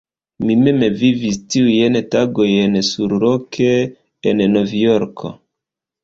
Mi mem vivis tiujn tagojn surloke en Novjorko.